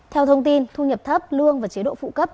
theo thông tin thu nhập thấp lương và chế độ phụ cấp